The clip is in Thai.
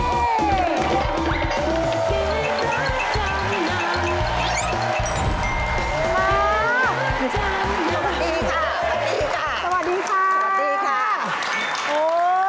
สวัสดีค่ะ